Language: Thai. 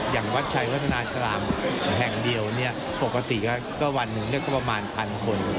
อย่างวัดชัยวัฒนาจรามแห่งเดียวเนี่ยปกติก็วันนึงเนี่ยก็ประมาณพันคน